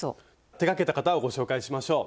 手がけた方をご紹介しましょう。